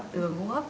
đường hô hấp